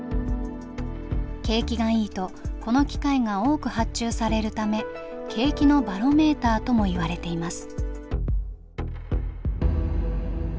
景気がいいとこの機械が多く発注されるため景気のバロメーターともいわれています。